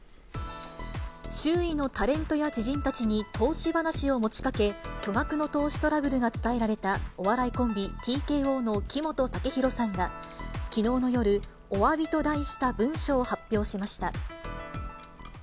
周囲のタレントや知人たちに投資話を持ちかけ、巨額の投資トラブルが伝えられたお笑いコンビ、ＴＫＯの木本武宏さんが、きのうの夜、おわびと題した文書を発表しました。